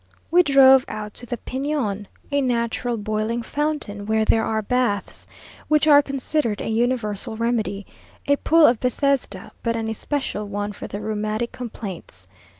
We drove out to the Peñon, a natural boiling fountain, where there are baths, which are considered a universal remedy, a pool of Bethesda, but an especial one for rheumatic complaints.